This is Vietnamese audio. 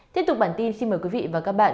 tiếp tục bản tin xin mời quý vị và các bạn